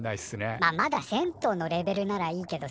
まあまだ銭湯のレベルならいいけどさ